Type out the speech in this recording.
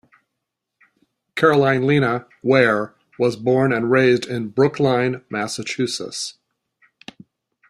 Caroline "Lina" Ware was born and raised in Brookline, Massachusetts.